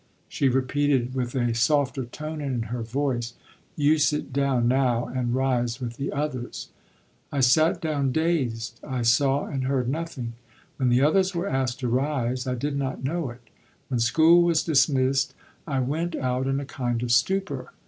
She repeated, with a softer tone in her voice: "You sit down now, and rise with the others." I sat down dazed. I saw and heard nothing. When the others were asked to rise, I did not know it. When school was dismissed, I went out in a kind of stupor.